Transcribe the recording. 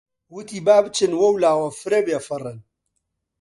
وتی: با بچن وەولاوە فرە بێفەڕن!